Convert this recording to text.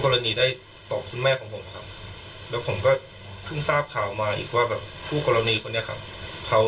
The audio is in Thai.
แล้วผมก็ถึงทราบข่าวมาอีกว่าแบบผู้กรณีคนนี้ค่ะเขา